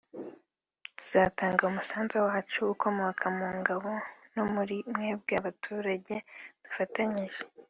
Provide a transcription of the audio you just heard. tuzatanga umusanzu wacu ukomoka mu ngabo no muri mwebwe abaturage dufatanyije